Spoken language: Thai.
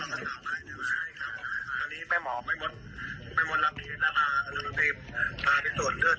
ใช่ครับอันนี้แม่หมอไปมดรับทีแล้วพานุนทรีปพาไปสวนเลือดสวนไทยมาแล้วครับ